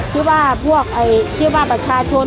ที่ว่าประชาชน